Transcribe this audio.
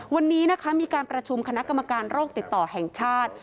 วันนี้นะคะมีการประชุมคณะกรรมการโรคติดต่อแห่งชาติ